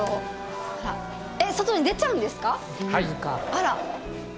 あら！